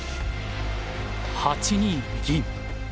８二銀。